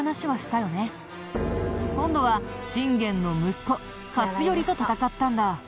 今度は信玄の息子勝頼と戦ったんだ。